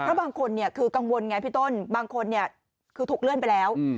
เพราะบางคนคือกังวลไงพี่ต้นบางคนคือถูกเลื่อนไปแล้ว